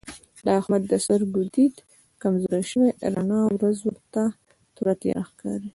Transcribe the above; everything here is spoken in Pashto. د احمد د سترګو دید کمزوری شوی رڼا ورځ ورته توره تیاره ښکارېږي.